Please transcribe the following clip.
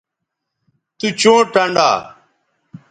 تو چوں ٹنڈا